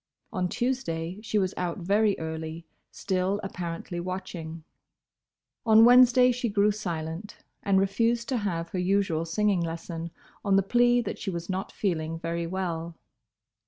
On Tuesday she was out very early, still apparently watching. On Wednesday she grew silent, and refused to have her usual singing lesson on the plea that she was not feeling very well.